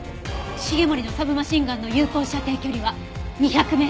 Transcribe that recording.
繁森のサブマシンガンの有効射程距離は２００メートル。